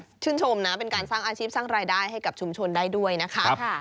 ชื่นชมนะเป็นการสร้างอาชีพสร้างรายได้ให้กับชุมชนได้ด้วยนะคะ